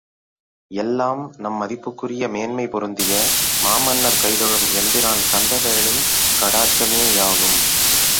எல்லாம் நம் மதிப்புக்குரிய மேன்மை பொருந்திய மாமன்னர் கைதொழும் எம்பிரான் கந்தவேளின் கடாட்சமேயாகும்.